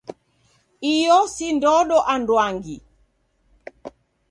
Iyo si ndodo anduangi.